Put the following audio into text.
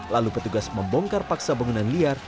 lalu petugas membongkar paksa bangunan liar